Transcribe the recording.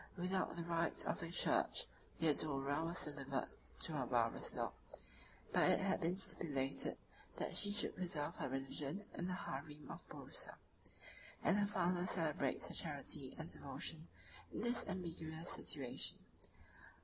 Without the rites of the church, Theodora was delivered to her barbarous lord: but it had been stipulated, that she should preserve her religion in the harem of Bursa; and her father celebrates her charity and devotion in this ambiguous situation.